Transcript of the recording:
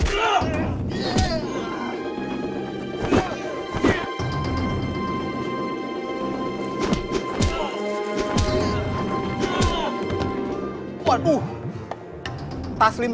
sampai jumpa di video selanjutnya